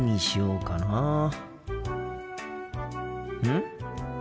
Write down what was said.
うん？